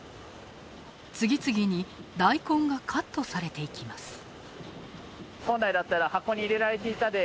次々にダイコンがカットされていきます。